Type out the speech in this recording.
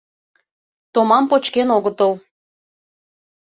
— Томам почкен огытыл.